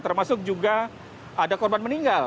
termasuk juga ada korban meninggal